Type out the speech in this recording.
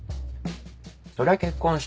そりゃ結婚したり。